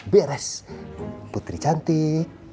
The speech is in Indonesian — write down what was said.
beres putri cantik